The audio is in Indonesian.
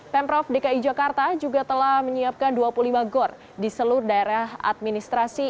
pemprov dki jakarta juga telah menyiapkan dua puluh lima gor di seluruh daerah administrasi